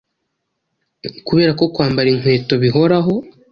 kubera ko kwambara inkweto bihoraho”.